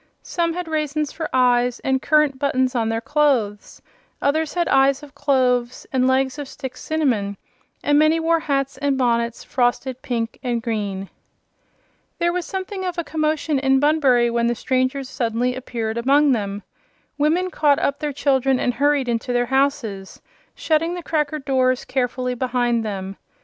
Some had raisins for eyes and currant buttons on their clothes; others had eyes of cloves and legs of stick cinnamon, and many wore hats and bonnets frosted pink and green. There was something of a commotion in Bunbury when the strangers suddenly appeared among them. Women caught up their children and hurried into their houses, shutting the cracker doors carefully behind them.